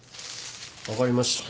分かりました。